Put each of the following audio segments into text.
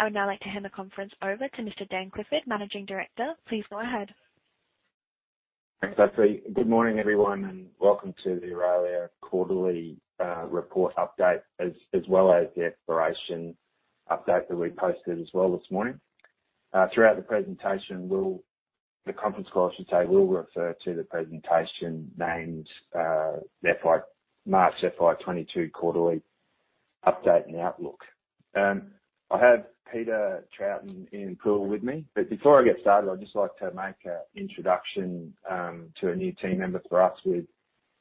I would now like to hand the conference over to Mr. Dan Clifford, Managing Director. Please go ahead. Thanks, Ashley. Good morning, everyone, and welcome to the Aurelia quarterly report update, as well as the exploration update that we posted as well this morning. Throughout the conference call, I should say, we'll refer to the presentation named March FY22 quarterly update and outlook. I have Peter Trout, Ian Poole with me. Before I get started, I'd just like to make an introduction to a new team member for us, with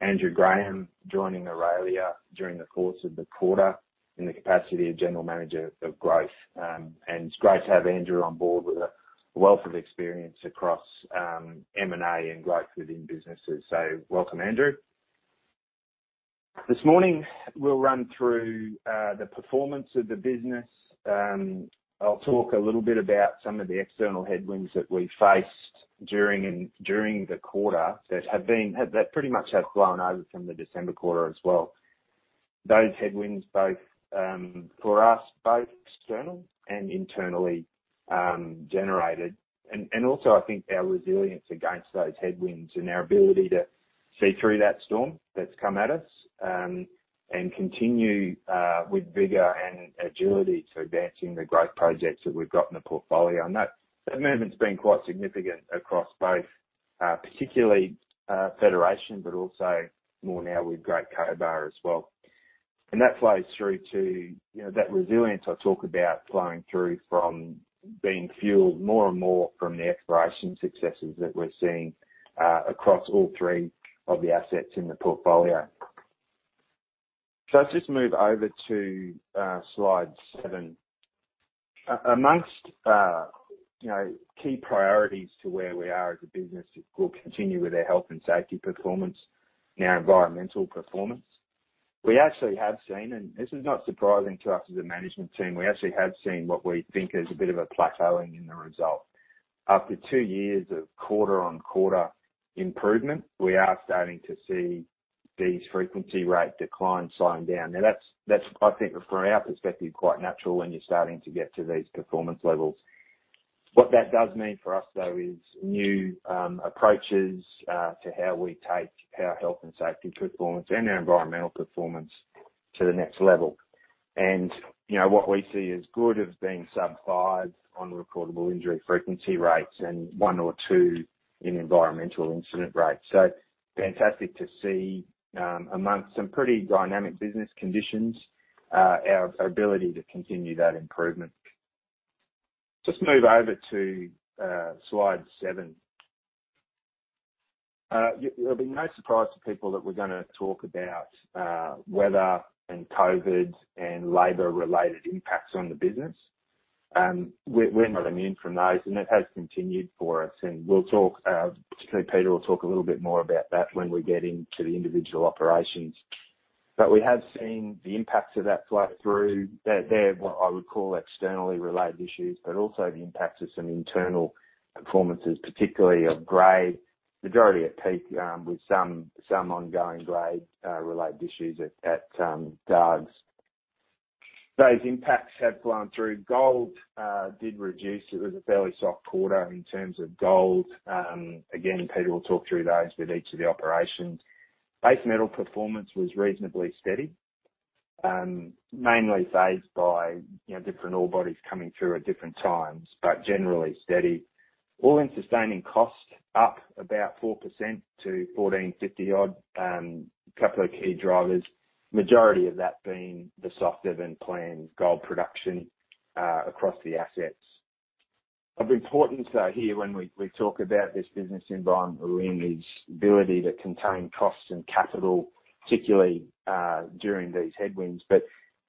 Andrew Graham joining Aurelia during the course of the quarter in the capacity of General Manager of Growth. It's great to have Andrew on board with a wealth of experience across M&A and growth within businesses. Welcome, Andrew. This morning, we'll run through the performance of the business. I'll talk a little bit about some of the external headwinds that we faced during the quarter that pretty much have blown over from the December quarter as well. Those headwinds, both external and internally generated. Also I think our resilience against those headwinds and our ability to see through that storm that's come at us, and continue with vigor and agility to advancing the growth projects that we've got in the portfolio. That advancement's been quite significant across both, particularly Federation, but also more now with Great Cobar as well. That flows through to, you know, that resilience I talk about flowing through from being fueled more and more from the exploration successes that we're seeing across all three of the assets in the portfolio. Let's just move over to slide seven. Amongst you know key priorities to where we are as a business is we'll continue with our health and safety performance and our environmental performance. We actually have seen, and this is not surprising to us as a management team, we actually have seen what we think is a bit of a plateauing in the result. After two years of quarter-on-quarter improvement, we are starting to see these frequency rate declines slowing down. Now that's, I think from our perspective, quite natural when you're starting to get to these performance levels. What that does mean for us, though, is new approaches to how we take our health and safety performance and our environmental performance to the next level. You know, what we see as good as being sub-5 on recordable injury frequency rates and one or two in environmental incident rates. Fantastic to see, among some pretty dynamic business conditions, our ability to continue that improvement. Just move over to slide seven. It'll be no surprise to people that we're gonna talk about weather and COVID and labor-related impacts on the business. We're not immune from those, and it has continued for us. We'll talk, particularly Peter will talk a little bit more about that when we get into the individual operations. We have seen the impacts of that flow through. They're what I would call externally related issues, but also the impacts of some internal performances, particularly of grade, majority at Peak, with some ongoing grade related issues at Dargues. Those impacts have blown through. Gold did reduce. It was a fairly soft quarter in terms of gold. Again, Peter will talk through those with each of the operations. Base metal performance was reasonably steady, mainly paced by, you know, different ore bodies coming through at different times, but generally steady. All-in sustaining cost up about 4% to 1,450-odd. Couple of key drivers, majority of that being the softer than planned gold production across the assets. Of importance, though, here when we talk about this business environment, really is the ability to contain costs and capital, particularly during these headwinds.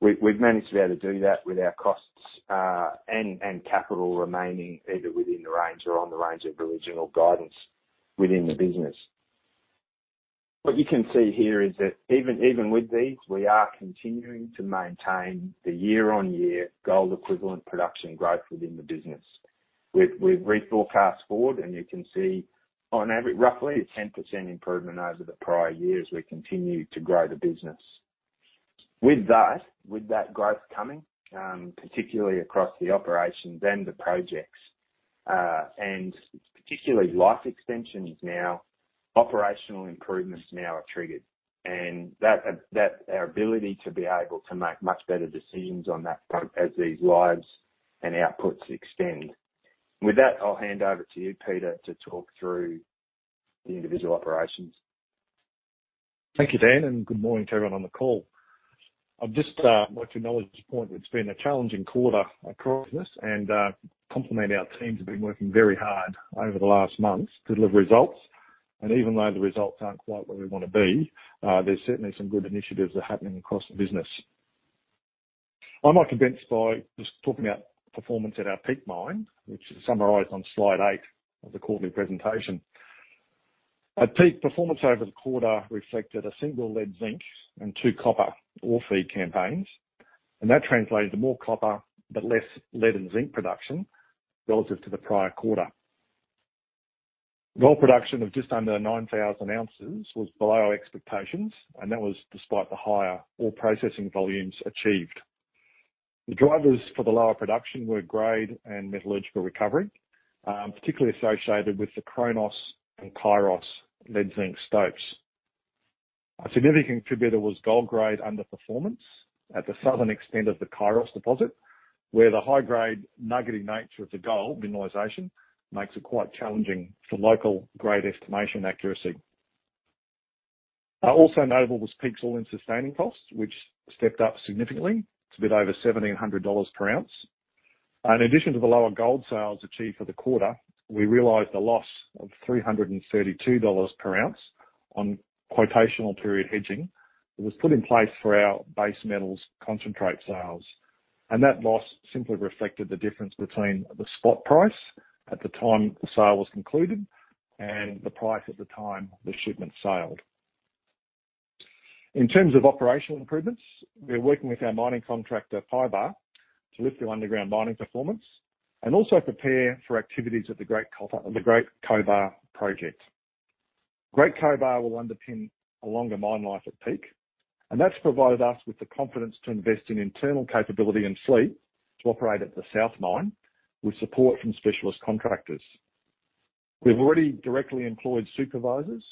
We've managed to be able to do that with our costs and capital remaining either within the range or on the range of the regional guidance within the business. What you can see here is that even with these, we are continuing to maintain the year-on-year gold equivalent production growth within the business. We've reforecast forward, and you can see on average, roughly a 10% improvement over the prior year as we continue to grow the business. With that growth coming particularly across the operations and the projects and particularly life extensions now, operational improvements now are triggered. That our ability to be able to make much better decisions on that front as these lives and outputs extend. With that, I'll hand over to you, Peter, to talk through the individual operations. Thank you, Dan, and good morning to everyone on the call. I'll just want to acknowledge this point. It's been a challenging quarter across this and compliment our teams have been working very hard over the last months to deliver results. Even though the results aren't quite where we want to be, there's certainly some good initiatives that are happening across the business. I might commence by just talking about performance at our Peak Mine, which is summarized on slide eight of the quarterly presentation. At Peak, performance over the quarter reflected a single lead-zinc and two copper ore feed campaigns, and that translated to more copper but less lead and zinc production relative to the prior quarter. Gold production of just under 9,000 ounces was below expectations, and that was despite the higher ore processing volumes achieved. The drivers for the lower production were grade and metallurgical recovery, particularly associated with the Kronos and Kairos lead zinc stopes. A significant contributor was gold grade underperformance at the southern extent of the Kairos deposit, where the high-grade nuggety nature of the gold mineralization makes it quite challenging for local grade estimation accuracy. Also notable was Peak's all-in sustaining costs, which stepped up significantly. It's a bit over 1,700 dollars per ounce. In addition to the lower gold sales achieved for the quarter, we realized a loss of 332 dollars per ounce on quotational period hedging that was put in place for our base metals concentrate sales. That loss simply reflected the difference between the spot price at the time the sale was concluded and the price at the time the shipment sailed. In terms of operational improvements, we are working with our mining contractor, PYBAR, to lift the underground mining performance and also prepare for activities at the Great Cobar Project. Great Cobar will underpin a longer mine life at Peak, and that's provided us with the confidence to invest in internal capability and fleet to operate at the South mine with support from specialist contractors. We've already directly employed supervisors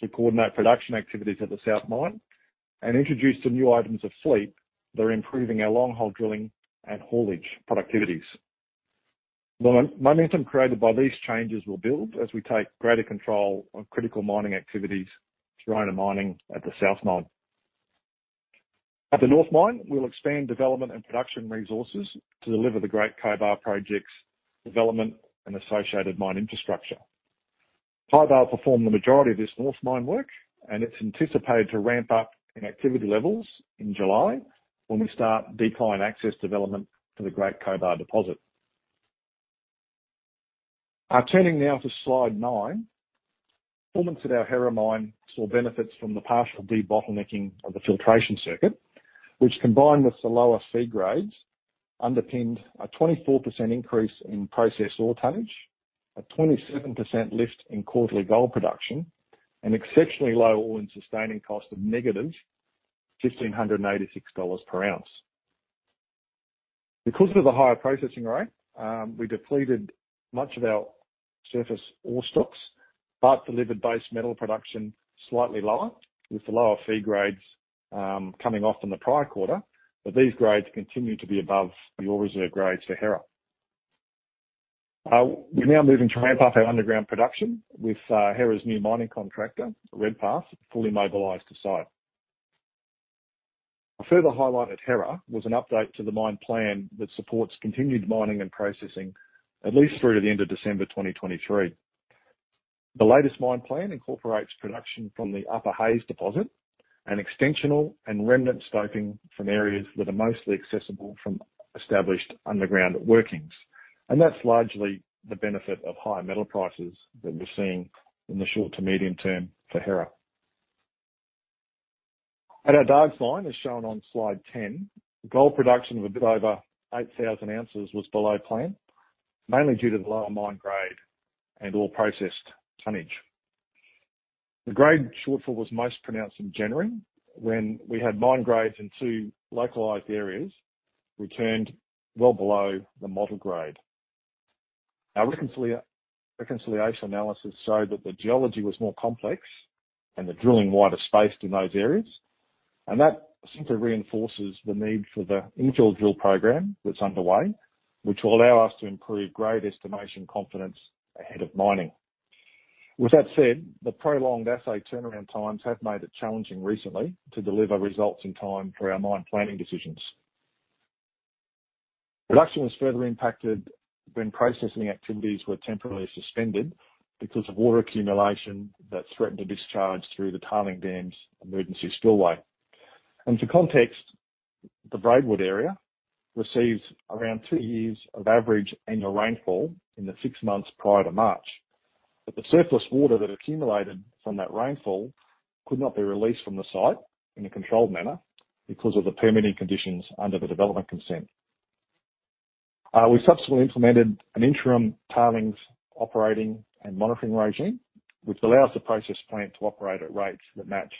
to coordinate production activities at the South mine and introduced some new items of fleet that are improving our long-haul drilling and haulage productivities. The momentum created by these changes will build as we take greater control of critical mining activities through owner mining at the South mine. At the North mine, we'll expand development and production resources to deliver the Great Cobar Project's development and associated mine infrastructure. PYBAR will perform the majority of this North mine work, and it's anticipated to ramp up in activity levels in July when we start decline access development to the Great Cobar deposit. Turning now to slide nine. Performance at our Hera mine saw benefits from the partial de-bottlenecking of the filtration circuit, which, combined with the lower feed grades, underpinned a 24% increase in processed ore tonnage, a 27% lift in quarterly gold production, an exceptionally low all-in sustaining cost of -1,586 dollars per ounce. Because of the higher processing rate, we depleted much of our surface ore stocks, but delivered base metal production slightly lower, with the lower feed grades, coming off in the prior quarter. These grades continue to be above the ore reserve grades for Hera. We're now moving to ramp up our underground production with Hera's new mining contractor, Redpath, fully mobilized to site. A further highlight at Hera was an update to the mine plan that supports continued mining and processing at least through to the end of December 2023. The latest mine plan incorporates production from the Upper Hayes Deposit and extensional and remnant stoping from areas that are mostly accessible from established underground workings. That's largely the benefit of higher metal prices that we're seeing in the short to medium term for Hera. At our Dargues Mine, as shown on slide 10, gold production of a bit over 8,000 ounces was below plan, mainly due to the lower mine grade and ore processed tonnage. The grade shortfall was most pronounced in January when we had mine grades in two localized areas returned well below the model grade. Our reconciliation analysis showed that the geology was more complex and the drilling wider spaced in those areas, and that simply reinforces the need for the infill drill program that's underway, which will allow us to improve grade estimation confidence ahead of mining. With that said, the prolonged assay turnaround times have made it challenging recently to deliver results in time for our mine planning decisions. Production was further impacted when processing activities were temporarily suspended because of water accumulation that threatened to discharge through the tailings dam's emergency spillway. For context, the Braidwood area receives around two years of average annual rainfall in the six months prior to March. The surplus water that accumulated from that rainfall could not be released from the site in a controlled manner because of the permitting conditions under the development consent. We subsequently implemented an interim tailings operating and monitoring regime, which allows the process plant to operate at rates that match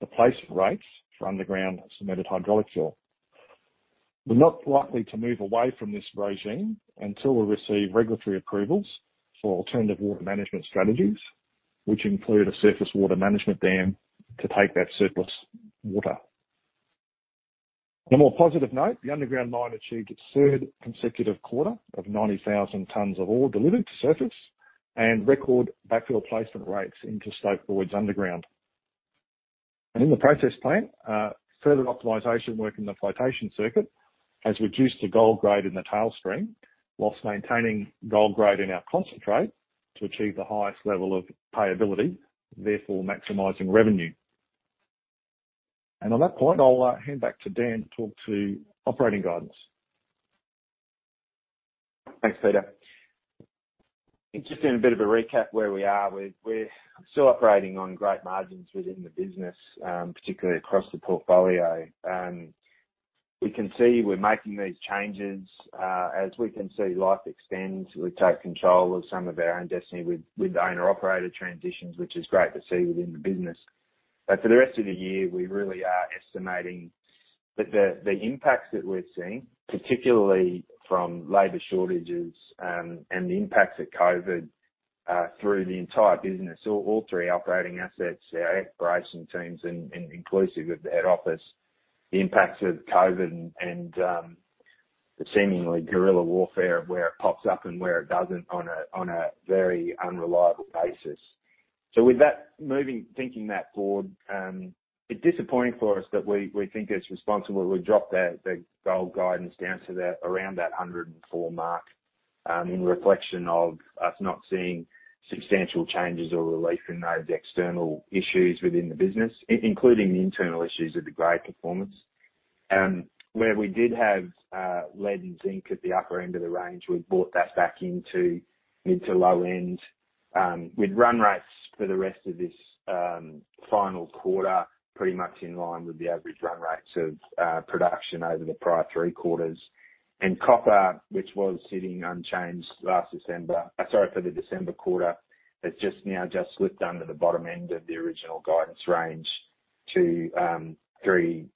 the placement rates for underground cemented hydraulic fill. We're not likely to move away from this regime until we receive regulatory approvals for alternative water management strategies, which include a surface water management dam to take that surplus water. On a more positive note, the underground mine achieved its third consecutive quarter of 90,000 tons of ore delivered to surface and record backfill placement rates into stope voids underground. In the process plant, further optimization work in the flotation circuit has reduced the gold grade in the tailings stream while maintaining gold grade in our concentrate to achieve the highest level of payability, therefore maximizing revenue. On that point, I'll hand back to Dan to talk to operating guidance. Thanks, Peter. Just in a bit of a recap where we are. We're still operating on great margins within the business, particularly across the portfolio. We can see we're making these changes. As we can see life extends, we take control of some of our own destiny with owner operator transitions, which is great to see within the business. For the rest of the year, we really are estimating that the impacts that we're seeing, particularly from labor shortages, and the impacts of COVID, through the entire business, so all three operating assets, our exploration teams and inclusive of the head office. The impacts of COVID and the seemingly guerrilla warfare of where it pops up and where it doesn't on a very unreliable basis. Thinking that board, it's disappointing for us that we think it's responsible. We dropped the gold guidance down to around 104, in reflection of us not seeing substantial changes or relief in those external issues within the business, including the internal issues of the grade performance. Where we did have lead and zinc at the upper end of the range, we've brought that back into mid to low end. With run rates for the rest of this final quarter, pretty much in line with the average run rates of production over the prior three quarters. Copper, which was sitting unchanged last December, sorry, for the December quarter, has just slipped under the bottom end of the original guidance range to 3.3.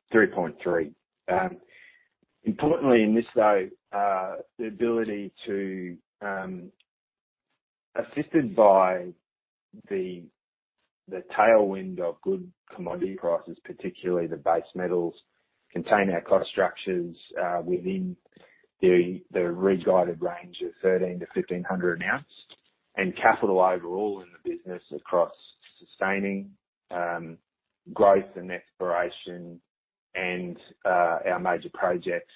Importantly in this though, the ability to, assisted by the tailwind of good commodity prices, particularly the base metals, contain our cost structures within the re-guided range of 1,300-1,500 announced, and capex overall in the business across sustaining, growth and exploration and our major projects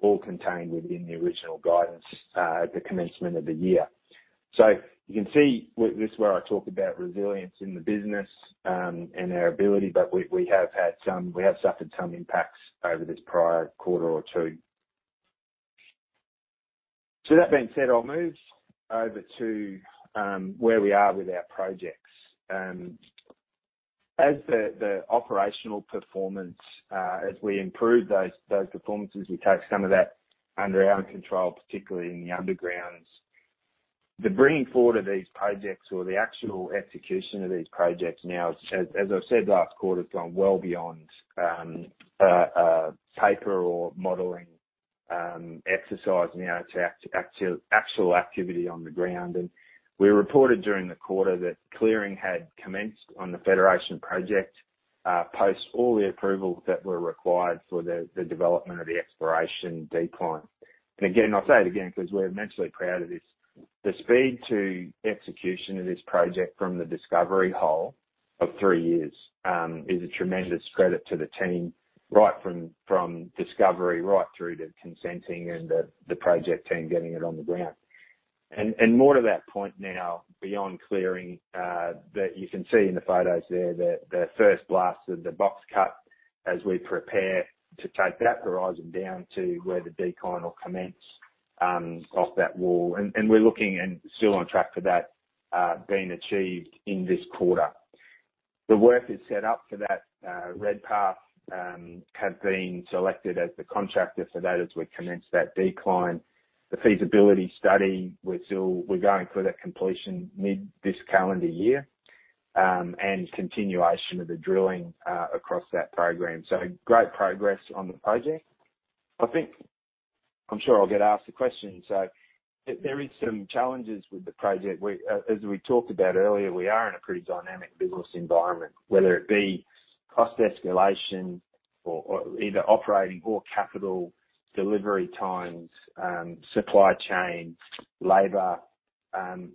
all contained within the original guidance at the commencement of the year. You can see this is where I talk about resilience in the business, and our ability, but we have suffered some impacts over this prior quarter or two. That being said, I'll move over to where we are with our projects. As the operational performance, as we improve those performances, we take some of that under our control, particularly in the undergrounds. The bringing forward of these projects or the actual execution of these projects now, as I've said last quarter, has gone well beyond a paper or modeling exercise now to actual activity on the ground. We reported during the quarter that clearing had commenced on the Federation project post all the approvals that were required for the development of the exploration decline. Again, I'll say it again because we're immensely proud of this. The speed to execution of this project from the discovery hole of three years is a tremendous credit to the team, right from discovery, right through to consenting and the project team getting it on the ground. More to that point now, beyond clearing, that you can see in the photos there that the first blast of the box cut as we prepare to take that horizon down to where the decline will commence, off that wall. We're looking and still on track for that, being achieved in this quarter. The work is set up for that. Redpath has been selected as the contractor for that as we commence that decline. The feasibility study, we're going for that completion mid this calendar year, and continuation of the drilling, across that program. Great progress on the project. I think I'm sure I'll get asked the question, there is some challenges with the project. We, as we talked about earlier, we are in a pretty dynamic business environment, whether it be cost escalation or either operating or capital delivery times, supply chain, labor,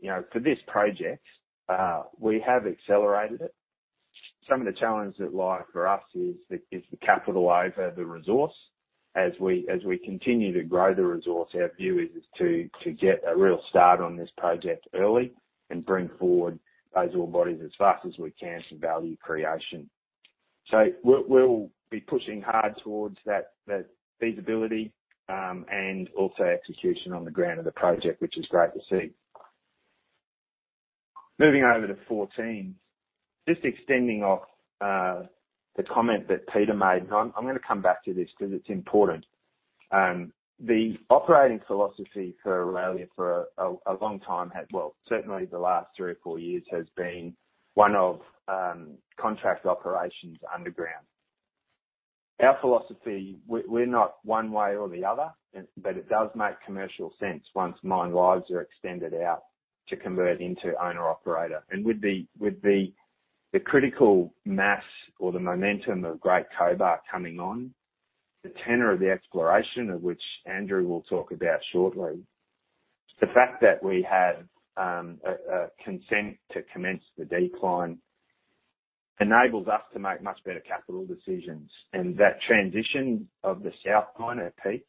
you know, for this project, we have accelerated it. Some of the challenges at large for us is the capital over the resource. As we continue to grow the resource, our view is to get a real start on this project early and bring forward those ore bodies as fast as we can for value creation. We'll be pushing hard towards that feasibility and also execution on the ground of the project, which is great to see. Moving over to 14. Just extending off the comment that Peter made, and I'm gonna come back to this because it's important. The operating philosophy for Aurelia for a long time has well, certainly the last three or four years, has been one of contract operations underground. Our philosophy, we're not one way or the other but it does make commercial sense once mine lives are extended out to convert into owner operator. With the critical mass or the momentum of Great Cobar coming on, the tenor of the exploration, of which Andrew will talk about shortly, the fact that we have a consent to commence the decline enables us to make much better capital decisions. That transition of the South mine at Peak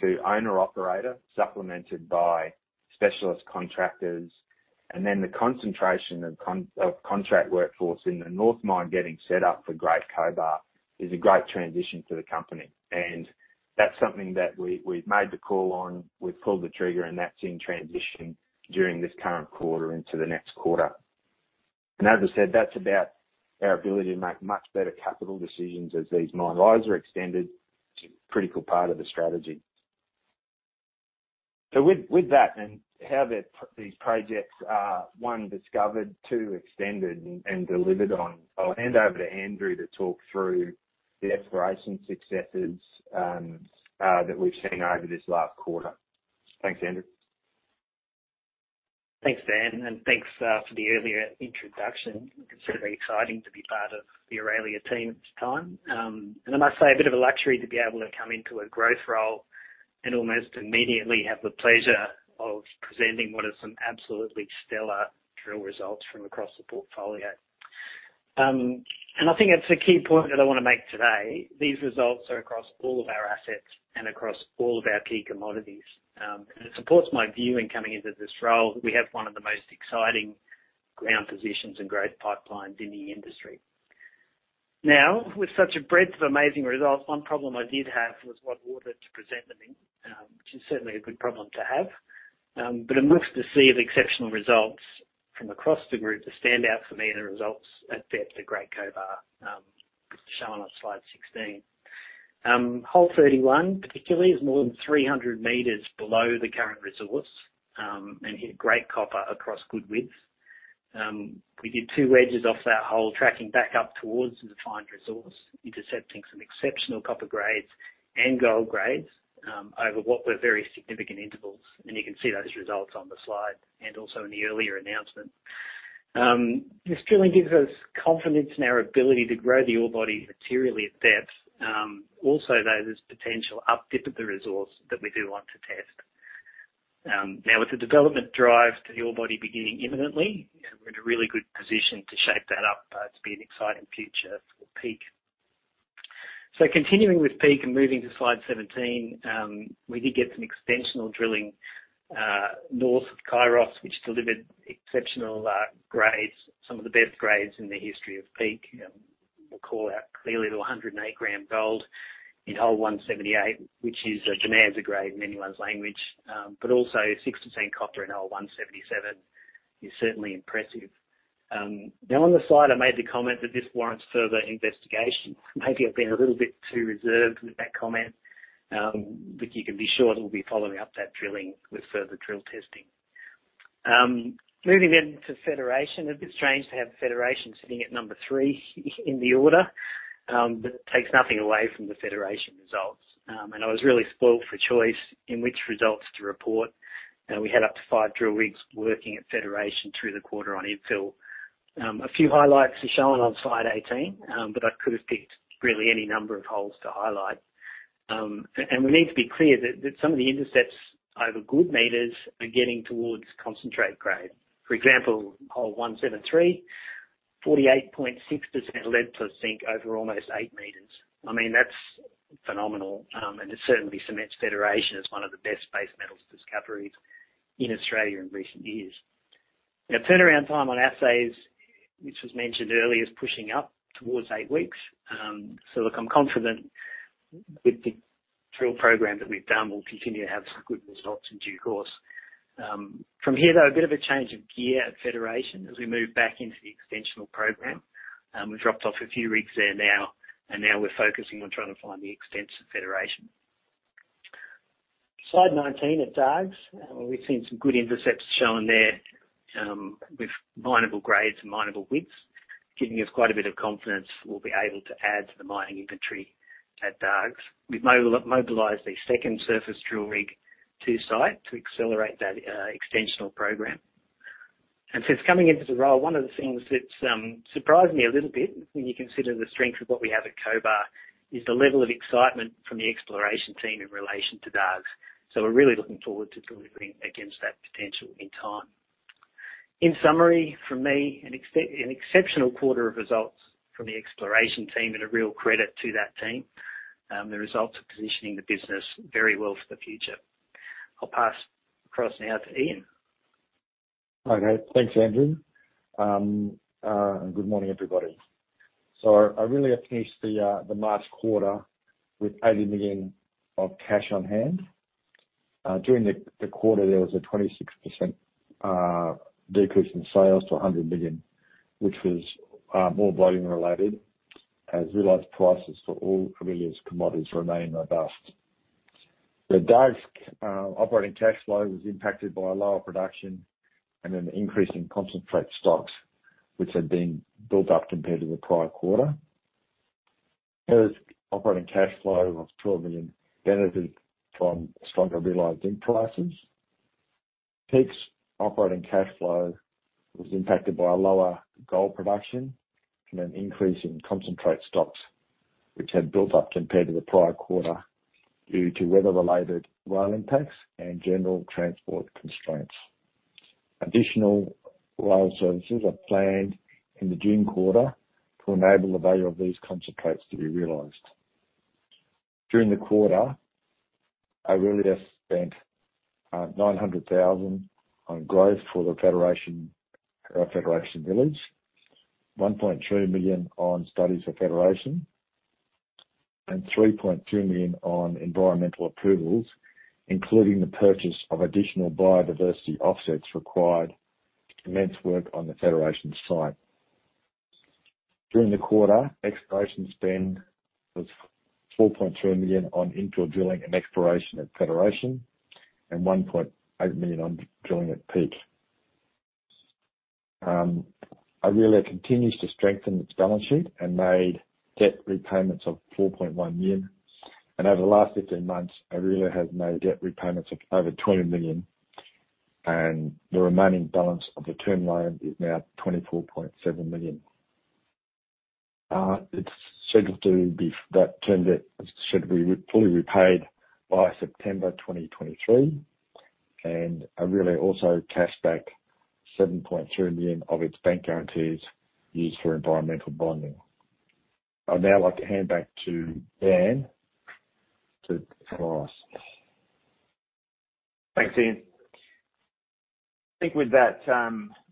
to owner operator, supplemented by specialist contractors, and then the concentration of contract workforce in the North mine getting set up for Great Cobar is a great transition for the company. That's something that we've made the call on, we've pulled the trigger, and that's in transition during this current quarter into the next quarter. As I said, that's about our ability to make much better capital decisions as these mine lives are extended. It's a critical part of the strategy. With that and how these projects are, one, discovered, two, extended and delivered on, I'll hand over to Andrew to talk through the exploration successes that we've seen over this last quarter. Thanks, Andrew. Thanks, Dan, and thanks for the earlier introduction. It's certainly exciting to be part of the Aurelia team at this time. I must say, a bit of a luxury to be able to come into a growth role and almost immediately have the pleasure of presenting what are some absolutely stellar drill results from across the portfolio. I think that's a key point that I wanna make today. These results are across all of our assets and across all of our key commodities. It supports my view in coming into this role, that we have one of the most exciting ground positions and growth pipelines in the industry. Now, with such a breadth of amazing results, one problem I did have was what order to present them in, which is certainly a good problem to have. Among the sea of exceptional results from across the group, the standout for me are the results at depth at Great Cobar, shown on slide 16. Hole 31 particularly is more than 300 m below the current resource, and hit great copper across good widths. We did two wedges off that hole, tracking back up towards the defined resource, intercepting some exceptional copper grades and gold grades, over what were very significant intervals. You can see those results on the slide, and also in the earlier announcement. This drilling gives us confidence in our ability to grow the ore body materially at depth. Also, there is potential up-dip of the resource that we do want to test. Now with the development drive to the ore body beginning imminently, we're in a really good position to shape that up to be an exciting future for Peak. Continuing with Peak and moving to slide 17, we did get some extensional drilling north of Kairos, which delivered exceptional grades, some of the best grades in the history of Peak. We'll call out clearly the 108 g gold in hole 178, which is a game-changer grade in anyone's language. But also 6% copper in hole 177 is certainly impressive. Now on the slide, I made the comment that this warrants further investigation. Maybe I've been a little bit too reserved with that comment, but you can be sure that we'll be following up that drilling with further drill testing. Moving in to Federation. A bit strange to have Federation sitting at number three in the order, but it takes nothing away from the Federation results. I was really spoiled for choice in which results to report. We had up to five drill rigs working at Federation through the quarter on infill. A few highlights are shown on slide 18, but I could have picked really any number of holes to highlight. And we need to be clear that some of the intercepts over good meters are getting towards concentrate grade. For example, hole 173, 48.6% lead plus zinc over almost eight meters. I mean, that's phenomenal, and it certainly cements Federation as one of the best base metals discoveries in Australia in recent years. Now turnaround time on assays, which was mentioned earlier, is pushing up towards eight weeks. Look, I'm confident with the drill program that we've done, we'll continue to have some good results in due course. From here, though, a bit of a change of gear at Federation as we move back into the extensional program. We've dropped off a few rigs there now, and now we're focusing on trying to find the extent of Federation. Slide 19 at Dargues. We've seen some good intercepts shown there, with mineable grades and mineable widths, giving us quite a bit of confidence we'll be able to add to the mining inventory at Dargues. We've mobilized a second surface drill rig to site to accelerate that extensional program. Since coming into the role, one of the things that's surprised me a little bit when you consider the strength of what we have at Cobar, is the level of excitement from the exploration team in relation to Dargues. We're really looking forward to delivering against that potential in time. In summary, for me, an exceptional quarter of results from the exploration team and a real credit to that team. The results are positioning the business very well for the future. I'll pass across now to Ian. Okay. Thanks, Andrew. And good morning, everybody. I really have finished the March quarter with 80 million of cash on hand. During the quarter, there was a 26% decrease in sales to 100 million, which was more volume related as realized prices for all Aurelia's commodities remain robust. The Dargues operating cash flow was impacted by lower production and an increase in concentrate stocks, which had been built up compared to the prior quarter. There was operating cash flow of AUD 12 million, benefited from stronger realized zinc prices. Peak's operating cash flow was impacted by a lower gold production and an increase in concentrate stocks, which had built up compared to the prior quarter due to weather-related rail impacts and general transport constraints. Additional rail services are planned in the June quarter to enable the value of these concentrates to be realized. During the quarter, Aurelia spent 900 thousand on growth for the Federation Village, 1.2 million on studies for Federation, and 3.2 million on environmental approvals, including the purchase of additional biodiversity offsets required to commence work on the Federation site. During the quarter, exploration spend was 4.2 million on infill drilling and exploration at Federation and 1.8 million on drilling at Peak. Aurelia continues to strengthen its balance sheet and made debt repayments of 4.1 million. Over the last 15 months, Aurelia has made debt repayments of over 20 million, and the remaining balance of the term loan is now 24.7 million. That term debt should be fully repaid by September 2023, and Aurelia also cashed back 7.2 million of its bank guarantees used for environmental bonding. I'd now like to hand back to Dan to close. Thanks, Ian. I think with that,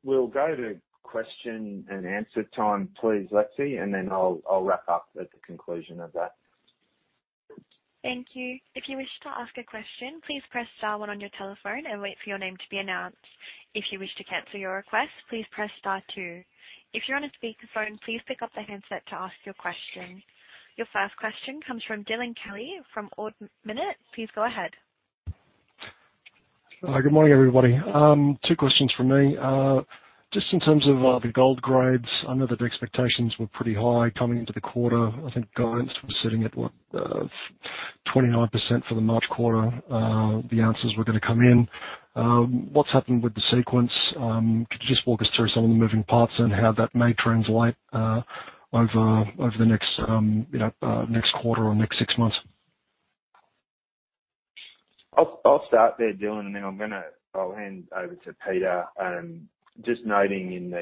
we'll go to question and answer time, please, Lexi, and then I'll wrap up at the conclusion of that. Thank you. If you wish to ask a question, please press star one on your telephone and wait for your name to be announced. If you wish to cancel your request, please press star two. If you're on a speakerphone, please pick up the handset to ask your question. Your first question comes from Dylan Kelly from Ord Minnett. Please go ahead. Good morning, everybody. Two questions from me. Just in terms of the gold grades, I know that the expectations were pretty high coming into the quarter. I think guidance was sitting at, what, 29% for the March quarter, the ounces were gonna come in. What's happened with the sequence? Could you just walk us through some of the moving parts and how that may translate over the next, you know, next quarter or next six months? I'll start there, Dylan, and then I'll hand over to Peter. Just noting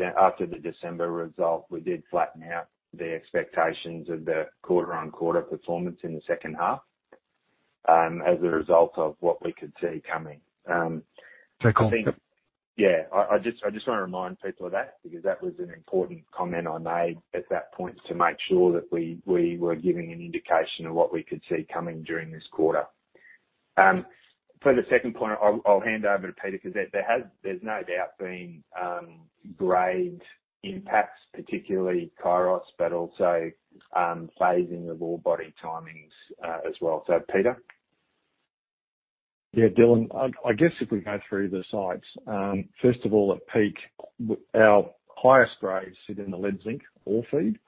after the December result, we did flatten out the expectations of the quarter-over-quarter performance in the second half, as a result of what we could see coming. I think. Yeah, I just want to remind people of that because that was an important comment I made at that point to make sure that we were giving an indication of what we could see coming during this quarter. For the second point, I'll hand over to Peter because there's no doubt been grade impacts, particularly Hera, but also phasing of ore body timings, as well. Peter. Yeah, Dylan. I guess if we go through the sites, first of all, at Peak, our highest grades sit in the lead zinc ore feed,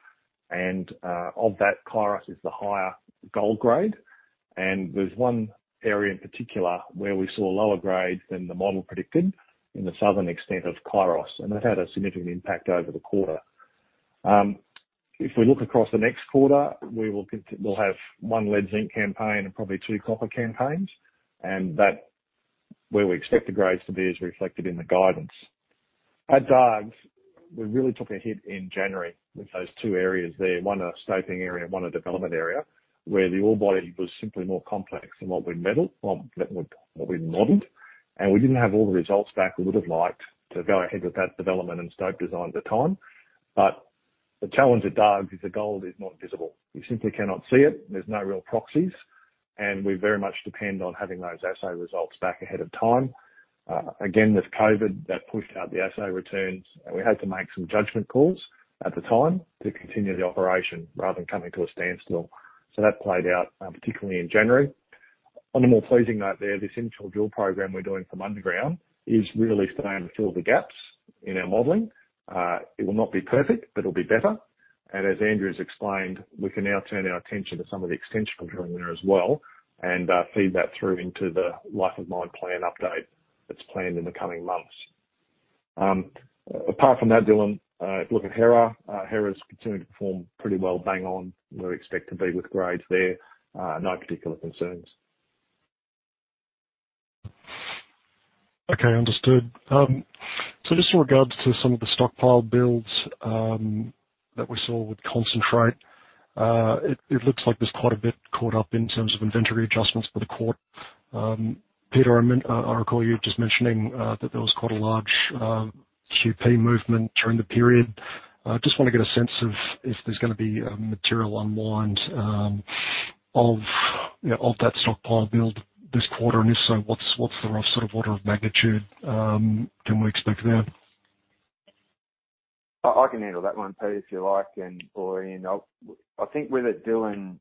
and of that, Kairos is the higher gold grade. There's one area in particular where we saw lower grades than the model predicted in the southern extent of Kairos, and that had a significant impact over the quarter. If we look across the next quarter, we'll have one lead zinc campaign and probably two copper campaigns, and that, where we expect the grades to be is reflected in the guidance. At Dargues, we really took a hit in January with those two areas there, one a stoping area and one a development area, where the ore body was simply more complex than what we modeled, and we didn't have all the results back we would have liked to go ahead with that development and stope design at the time. The challenge at Dargues is the gold is not visible. You simply cannot see it. There's no real proxies, and we very much depend on having those assay results back ahead of time. Again, with COVID, that pushed out the assay returns, and we had to make some judgment calls at the time to continue the operation rather than coming to a standstill. That played out, particularly in January. On a more pleasing note there, this initial drill program we're doing from underground is really starting to fill the gaps in our modeling. It will not be perfect, but it'll be better. As Andrew has explained, we can now turn our attention to some of the extension control in there as well and feed that through into the life of mine plan update that's planned in the coming months. Apart from that, Dylan, look at Hera. Hera's continuing to perform pretty well, bang on where we expect to be with grades there. No particular concerns. Okay. Understood. So just in regards to some of the stockpile builds that we saw with concentrate, it looks like there's quite a bit caught up in terms of inventory adjustments for the quarter. Peter, I recall you just mentioning that there was quite a large QP movement during the period. I just want to get a sense of if there's gonna be material unwind of you know of that stockpile build this quarter. If so, what's the rough sort of order of magnitude can we expect there? I can handle that one, Pete, if you like, or Ian. I think with it, Dylan,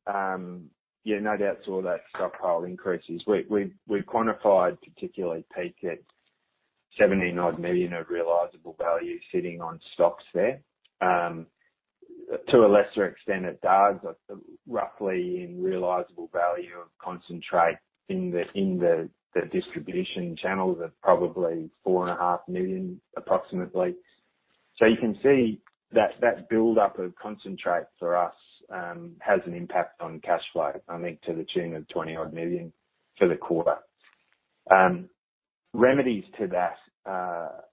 yeah, no doubt saw that stockpile increases. We've quantified, particularly Peak, at 70-odd million of realizable value sitting on stocks there. To a lesser extent at Dargues, roughly AUD 4.5 million in realizable value of concentrate in the distribution channels, approximately. You can see that build-up of concentrate for us has an impact on cash flow, I think to the tune of 20-odd million for the quarter. Remedies to that,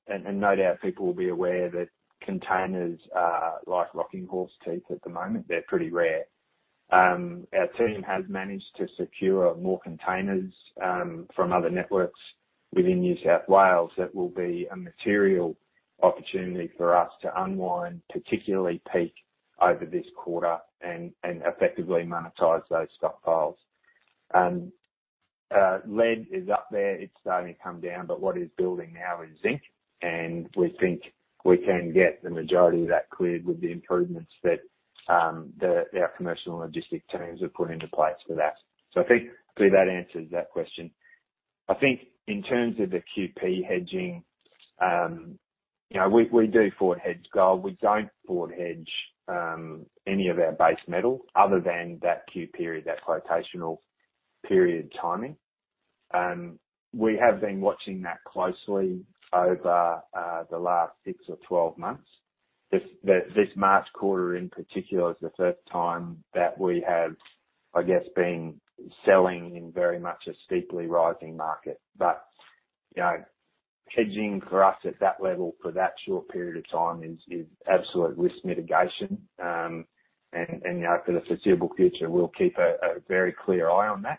and no doubt people will be aware that containers are like rocking horse teeth at the moment. They're pretty rare. Our team has managed to secure more containers from other networks within New South Wales, that will be a material opportunity for us to unwind, particularly Peak over this quarter and effectively monetize those stockpiles. Lead is up there. It's starting to come down, but what is building now is zinc, and we think we can get the majority of that cleared with the improvements that our commercial and logistic teams have put into place for that. I think I believe that answers that question. I think in terms of the QP hedging, you know, we do forward hedge gold. We don't forward hedge any of our base metal other than that Q period, that quotational period timing. We have been watching that closely over the last six or 12 months. This March quarter, in particular, is the first time that we have, I guess, been selling in very much a steeply rising market. You know, hedging for us at that level for that short period of time is absolute risk mitigation. You know, for the foreseeable future, we'll keep a very clear eye on that.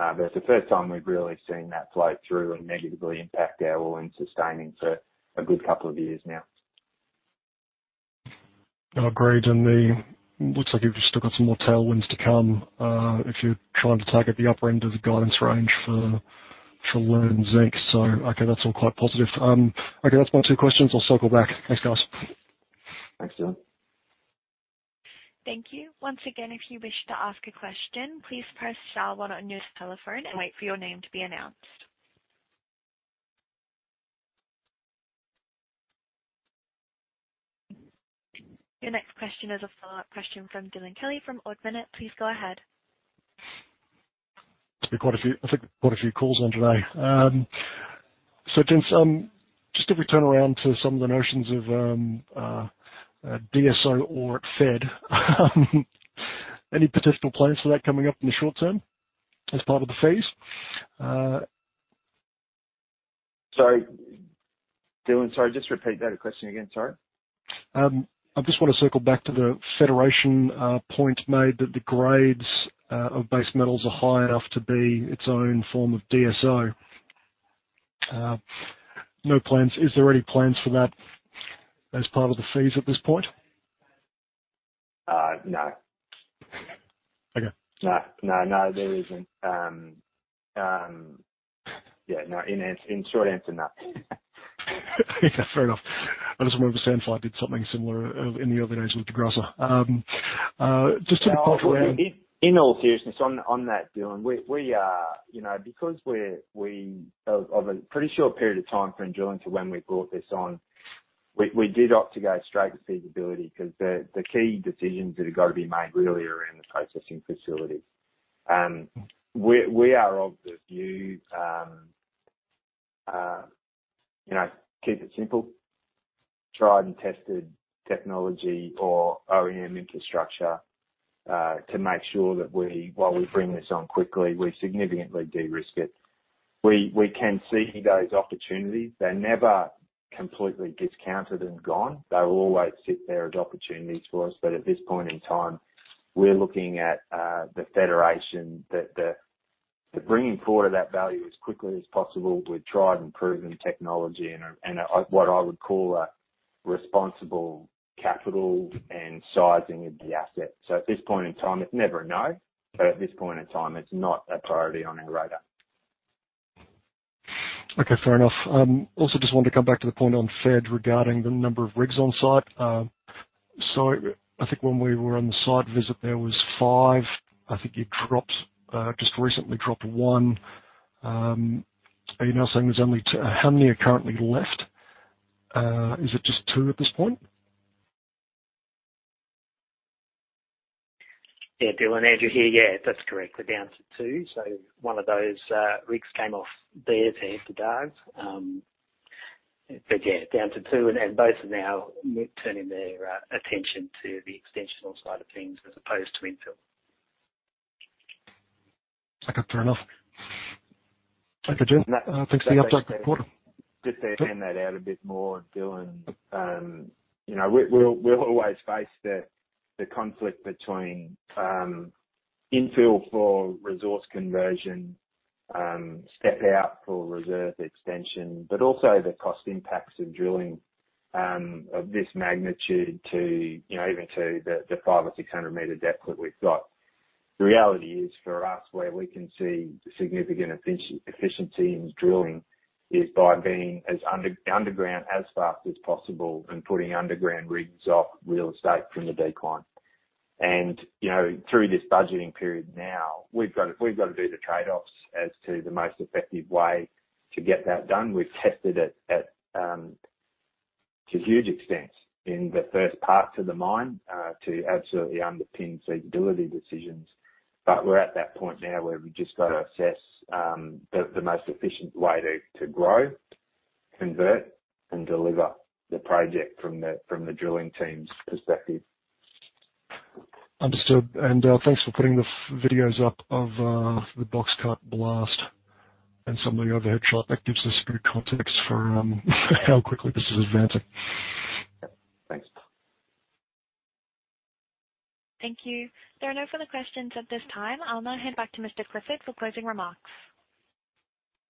It's the first time we've really seen that flow through and negatively impact our all-in sustaining cost for a good couple of years now. Agreed. Looks like you've still got some more tailwinds to come, if you're trying to target the upper end of the guidance range for lead and zinc. Okay, that's all quite positive. Okay, that's my two questions. I'll circle back. Thanks, guys. Thanks, Dylan. Thank you. Once again, if you wish to ask a question, please press star one on your telephone and wait for your name to be announced. Your next question is a follow-up question from Dylan Kelly from Ord Minnett. Please go ahead. There's been quite a few calls in today, I think. James, just if we turn around to some of the questions on DSO or dev, any potential plans for that coming up in the short term as part of the feas? Sorry, Dylan. Just repeat that question again. I just want to circle back to the Federation point made that the grades of base metals are high enough to be its own form of DSO. Is there any plans for that as part of the feas at this point? No. Okay. No, there isn't. Yeah, no. In short answer, no. Yeah, fair enough. I just remember Sandfire did something similar in the early days with DeGrussa. In all seriousness, on that, Dylan, you know, because of a pretty short period of time from drilling to when we brought this on, we did opt to go straight to feasibility 'cause the key decisions that have got to be made really are in the processing facility. We are of the view, you know, keep it simple, tried and tested technology or OEM infrastructure, to make sure that while we bring this on quickly, we significantly de-risk it. We can see those opportunities. They're never completely discounted and gone. They will always sit there as opportunities for us, but at this point in time, we're looking at the bringing forward of that value as quickly as possible with tried and proven technology and a what I would call a responsible capital and sizing of the asset. At this point in time, it's never a no, but at this point in time, it's not a priority on our radar. Okay, fair enough. Also just wanted to come back to the point on Fed regarding the number of rigs on site. I think when we were on the site visit, there was five. I think it dropped just recently one. Are you now saying there's only two? How many are currently left? Is it just two at this point? Yeah. Dylan, Andrew here. Yeah, that's correct. We're down to two. One of those rigs came off there to Dargues. Yeah, down to two, and both are now turning their attention to the extensional side of things as opposed to infill. Okay, fair enough. Thank you, Dan. Thanks for the update and the quarter. Just to expand that out a bit more, Dylan. You know, we'll always face the conflict between infill for resource conversion, step out for reserve extension, but also the cost impacts of drilling of this magnitude to, you know, even to the 500 m or 600 m depth that we've got. The reality is for us, where we can see significant efficiency in drilling is by being as underground as fast as possible and putting underground rigs off real estate from the decline. You know, through this budgeting period now, we've got to do the trade-offs as to the most effective way to get that done. We've tested it to huge extents in the first parts of the mine to absolutely underpin feasibility decisions. We're at that point now where we've just got to assess the most efficient way to grow, convert, and deliver the project from the drilling team's perspective. Understood. Thanks for putting the videos up of the box cut blast and some of the overhead shot. That gives us good context for how quickly this is advancing. Thanks. Thank you. There are no further questions at this time. I'll now hand back to Mr. Clifford for closing remarks.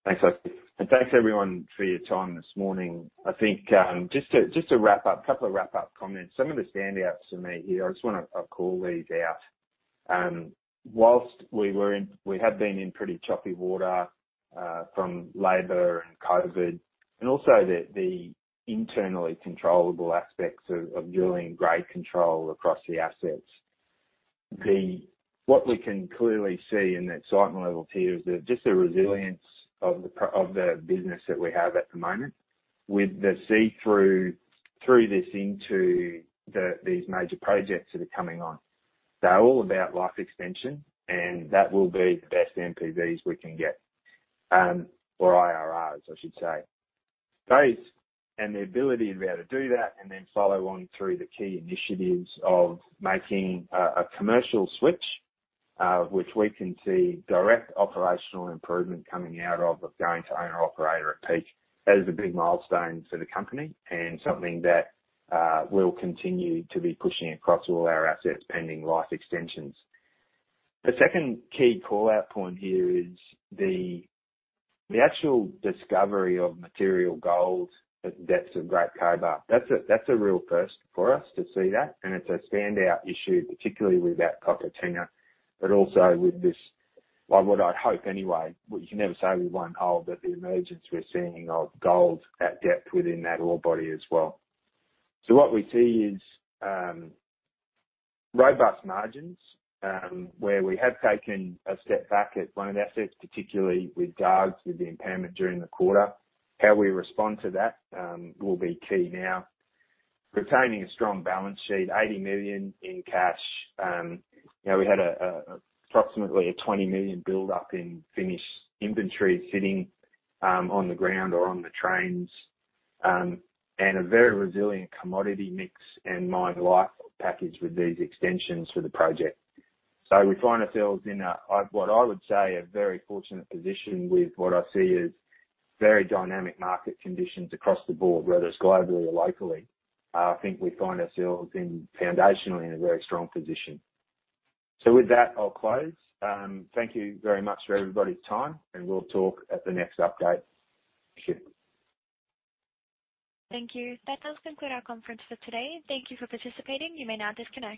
Thanks, Sophie, and thanks everyone for your time this morning. I think just to wrap up, couple of wrap-up comments. Some of the standouts for me here, I just wanna, I'll call these out. While we have been in pretty choppy water from labor and COVID, and also the internally controllable aspects of doing great control across the assets. What we can clearly see in that site level tier is just the resilience of the business that we have at the moment. With the see-through through this into these major projects that are coming on. They're all about life extension, and that will be the best NPVs we can get, or IRRs, I should say. Those and the ability to be able to do that and then follow on through the key initiatives of making a commercial switch, which we can see direct operational improvement coming out of going to owner/operator at Peak. That is a big milestone for the company and something that we'll continue to be pushing across all our assets pending life extensions. The second key call-out point here is the actual discovery of material gold at depths of Great Cobar. That's a real first for us to see that, and it's a standout issue, particularly with that copper tenor, but also with this. Well, what I'd hope anyway, well, you can never say with one hole, but the emergence we're seeing of gold at depth within that ore body as well. What we see is robust margins, where we have taken a step back at lone assets, particularly with Dargues, with the impairment during the quarter. How we respond to that will be key now. Retaining a strong balance sheet, 80 million in cash. You know, we had a approximately 20 million build up in finished inventory sitting on the ground or on the trains. And a very resilient commodity mix and mine life package with these extensions for the project. We find ourselves in a what I would say a very fortunate position with what I see as very dynamic market conditions across the board, whether it's globally or locally. I think we find ourselves in foundationally in a very strong position. With that, I'll close. Thank you very much for everybody's time, and we'll talk at the next update. Thank you. Thank you. That does conclude our conference for today. Thank you for participating. You may now disconnect.